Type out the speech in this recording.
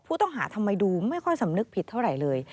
ผู้ต้องหาทำไมดูไม่ค่อยสำนึกผิดเท่าไหร่เลย